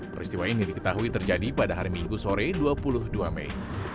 peristiwa ini diketahui terjadi pada hari minggu sore dua puluh dua mei